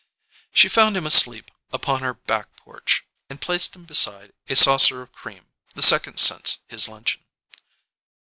She found him asleep upon her "back porch," and placed beside him a saucer of cream, the second since his luncheon.